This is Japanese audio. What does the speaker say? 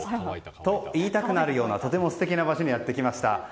と言いたくなるようなとても素敵な場所にやってきました。